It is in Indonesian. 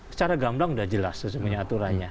secara gamblang sudah jelas aturannya